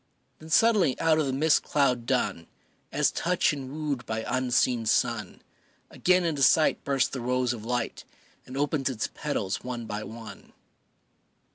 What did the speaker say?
Then suddenly out of the mist cloud dun, As touched and wooed by unseen sun, Again into sight bursts the rose of light And opens its petals one by one.